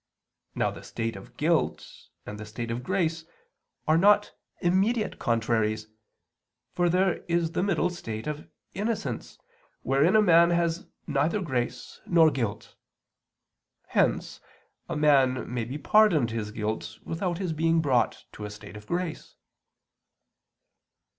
Now the state of guilt and the state of grace are not immediate contraries; for there is the middle state of innocence wherein a man has neither grace nor guilt. Hence a man may be pardoned his guilt without his being brought to a state of grace.